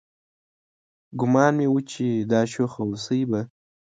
ګومان مې و چې دا شوخه هوسۍ به